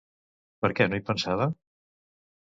Per què no hi pensava?